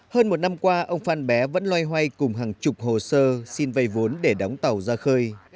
hơn một năm qua ông phan bé vẫn loay hoay cùng hàng chục hồ sơ xin vay vốn để đóng tàu ra khơi